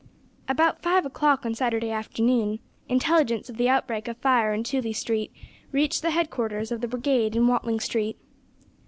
About five o'clock on Saturday afternoon intelligence of the outbreak of fire in Tooley Street reached the headquarters of the brigade in Watling Street.